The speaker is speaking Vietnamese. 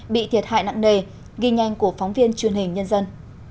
bị thiệt hại nặng nề ghi nhanh của phóng viên truyền hình nhân dân